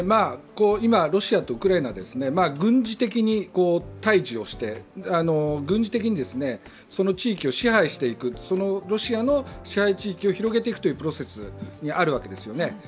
今、ロシアとウクライナは軍事的に対峙して軍事的にその地域を支配していく、ロシアの支配地域を広げていくというプロセスにあるわけですよね。